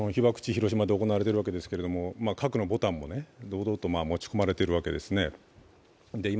・広島で行われているわけですけども、核のボタンも堂々と持ち込まれてるわけですね。